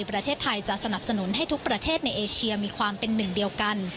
ประเทศไทยจะสนับสนุนให้ทุกประเทศในเอเชียมีความเป็นหนึ่งเดียวกัน